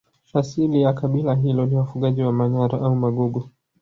Asili ya kabila hilo ni wafugaji wa Manyara au Magugu